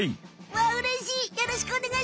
わあうれしい！